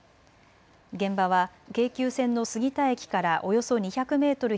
現場は京急線の杉田駅からおよそ２００メートル